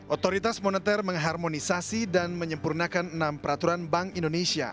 otoritas moneter mengharmonisasi dan menyempurnakan enam peraturan bank indonesia